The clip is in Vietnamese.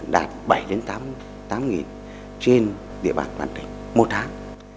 đạt bảy tám nghìn trên địa bàn toàn tỉnh một tháng